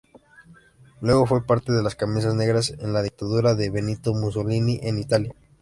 Luego fue parte las Camisas negras en la dictadura de Benito Mussolini en Italia.